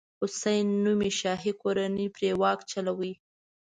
حسن نومي شاهي کورنۍ پرې واک چلوي.